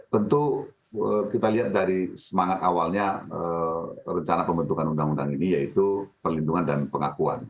tentu kita lihat dari semangat awalnya rencana pembentukan undang undang ini yaitu perlindungan dan pengakuan